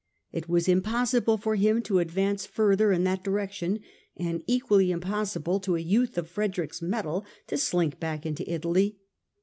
It was impossible for him to advance further in that direction, and equally impossible to a youth of Frederick's mettle to slink back into Italy.